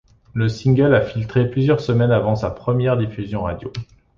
Le single a filtré plusieurs semaines avant sa première diffusion radio.